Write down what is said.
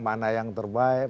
mana yang terbaik